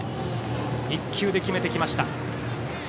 １球で決めてきました。